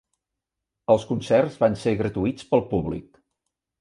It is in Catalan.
Els concerts van ser gratuïts pel públic.